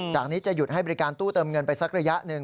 จากนี้จะหยุดให้บริการตู้เติมเงินไปสักระยะหนึ่ง